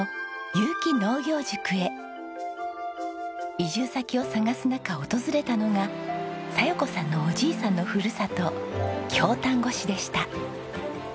移住先を探す中訪れたのが佐代子さんのおじいさんのふるさと京丹後市でした。